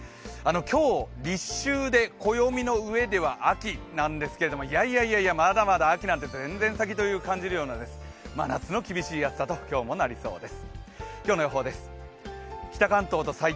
今日、立秋で暦の上では秋なんですけれども、いやいやいや、まだまだ秋なんて全然先と感じるような真夏の厳しい暑さと今日もなりそうです。